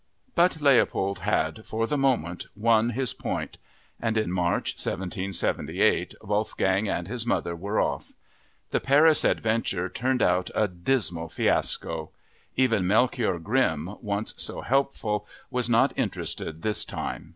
But Leopold had, for the moment, won his point and in March 1778, Wolfgang and his mother were off. The Paris adventure turned out a dismal fiasco. Even Melchior Grimm, once so helpful, was not interested this time.